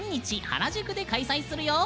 原宿で開催するよ！